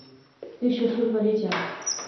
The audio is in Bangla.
তুই শ্বশুর বাড়ি যা।